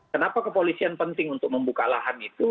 kenapa kepolisian penting untuk membuka lahan itu